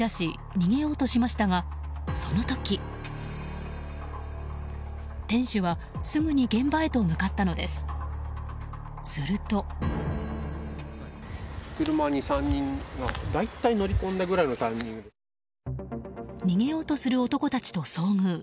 逃げようとする男たちと遭遇。